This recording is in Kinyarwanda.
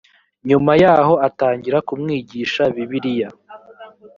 nyuma yaho atangira kumwigisha bibiliya